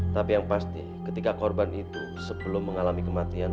tapi yang pasti ketika korban itu sebelum mengalami kematian